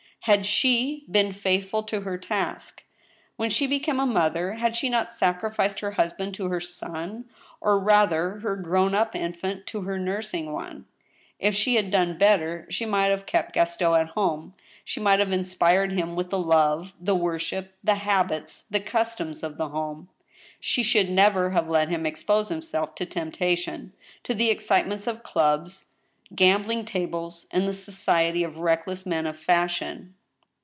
Had jA^ been faithful to her task? When she be came a mother, had she not sacrificed her husband, to her son ?— or, rather her grown up infant to her nursing one ? If she had, done better, she might have kept Gaston at home ; she might have inspired him with the love, the worship, the habits, the customs of home. She should never have let him expose himself to temptation, to the excitements of clubs, gambling tables, and the society of reckless men of fashion.